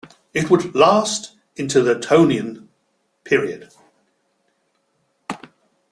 It would last into the Tonian period.